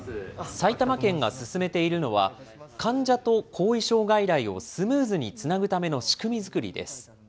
埼玉県が進めているのは、患者と後遺症外来をスムーズにつなぐための仕組み作りです。